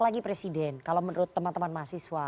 lagi presiden kalau menurut teman teman mahasiswa